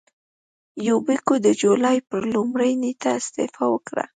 یوبیکو د جولای پر لومړۍ نېټه استعفا وکړه.